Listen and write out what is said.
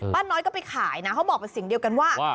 น้อยก็ไปขายนะเขาบอกเป็นเสียงเดียวกันว่า